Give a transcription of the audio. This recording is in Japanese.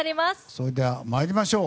それでは参りましょう。